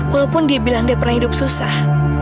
walaupun dia bilang dia pernah hidup susah